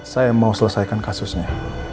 saya mau selesaikan kasusnya